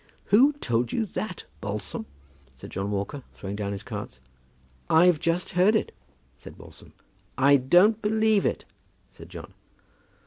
"Who told you that, Balsam?" said John Walker, throwing down his cards. "I've just heard it," said Balsam. "I don't believe it," said John.